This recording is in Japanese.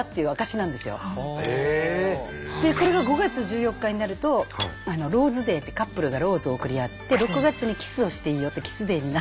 でこれが５月１４日になるとローズデーってカップルがローズを贈り合って６月にキスをしていいよっていうキスデーに。